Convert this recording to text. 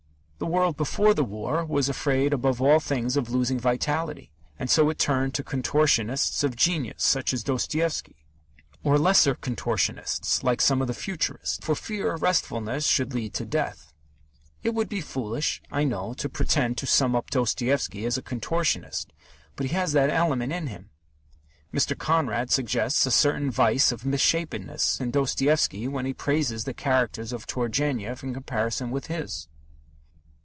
The world before the war was afraid above all things of losing vitality, and so it turned to contortionists of genius such as Dostoevsky, or lesser contortionists, like some of the Futurists, for fear restfulness should lead to death. It would be foolish, I know, to pretend to sum up Dostoevsky as a contortionist; but he has that element in him. Mr. Conrad suggests a certain vice of misshapenness in Dostoevsky when he praises the characters of Turgenev in comparison with his.